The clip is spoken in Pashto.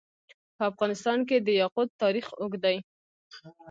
په افغانستان کې د یاقوت تاریخ اوږد دی.